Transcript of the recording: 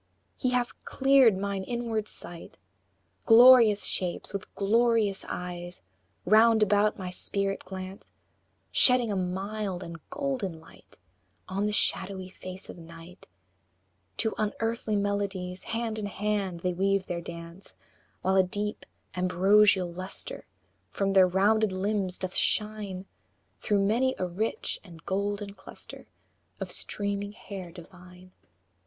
He hath cleared mine inward sight; Glorious shapes with glorious eyes Round about my spirit glance, Shedding a mild and golden light On the shadowy face of Night; To unearthly melodies, Hand in hand, they weave their dance, While a deep, ambrosial lustre From their rounded limbs doth shine, Through many a rich and golden cluster Of streaming hair divine.